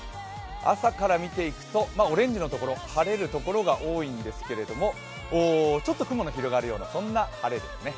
朝から見ていくと、オレンジの所、晴れる所が多いんですけれどちょっと雲の広がるようなそんな晴れですね。